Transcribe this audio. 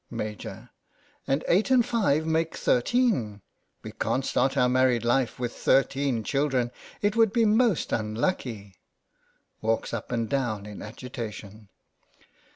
Maj. : And eight and five make thirteen. We can't start our married life with thirteen children ; it would be most unlucky. (Walks up and down in agitation.)